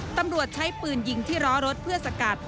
ตำรวจใช้ปืนยิงที่ล้อรถเพื่อสกัด